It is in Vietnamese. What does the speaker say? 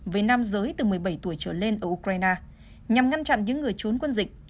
với nam giới từ một mươi bảy tuổi trở lên ở ukraine nhằm ngăn chặn những người trốn quân dịch